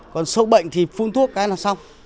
còn sâu bệnh thì phun thuốc cái là xong